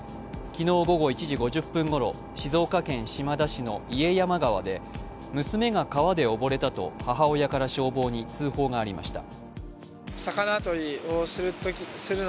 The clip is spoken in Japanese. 昨日、午後１時５０分ごろ静岡県島田市の家山川で娘が川で溺れたと母親から消防に通報がありました。